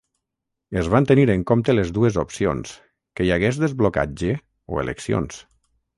Es van tenir en compte les dues opcions, que hi hagués desblocatge o eleccions.